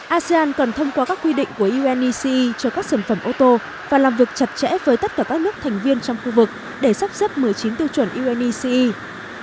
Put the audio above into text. asean cần thông qua các quy định của undc cho các sản phẩm ô tô và làm việc chặt chẽ với tất cả các nước thành viên trong khu vực để sắp xếp một mươi chín tiêu chuẩn unde